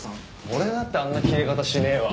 俺だってあんなキレ方しねえわ。